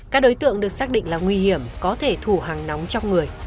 các đối tượng được xác định là nguy hiểm có thể thủ hàng nóng trong người